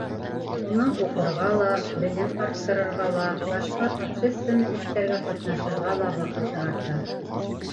Уның уҡырға ла, белем арттырырға ла, башҡа общественный эштәргә ҡатнашырға ла ваҡыты арта.